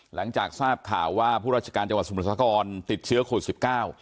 หลังจากทราบข่าวว่าผู้ราชการจังหวัดสมุทรสาครติดเชื้อโควิดสิบเก้า